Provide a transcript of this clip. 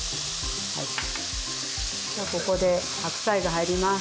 ここで白菜が入ります。